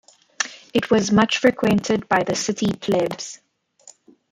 It was much frequented by the city "plebs".